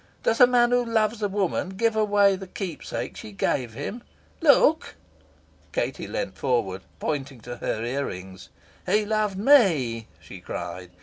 Does a man who loves a woman give away the keepsake she gave him? Look!" Katie leaned forward, pointing to her ear rings. "He loved ME," she cried.